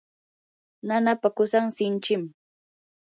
nanaapa qusan sinchim.